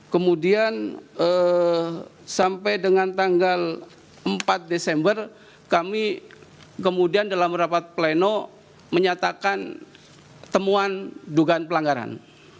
kemudian sampai dengan tanggal empat desember kami kemudian dalam rapat pleno menyatakan temuan dugaan pelanggaran